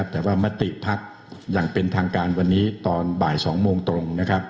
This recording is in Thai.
แต่ว่ามติพักอย่างเป็นทางการวันนี้ตอนบ่าย๒โมงตรง